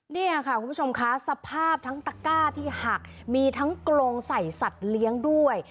นี่ค่ะคุณผู้ชมคะสภาพทั้งตะก้าที่หักมีทั้งกรงใส่สัตว์เลี้ยงด้วย